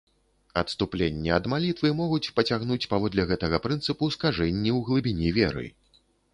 Адступленні ад малітвы могуць пацягнуць, паводле гэтага прынцыпу, скажэнні ў глыбіні веры.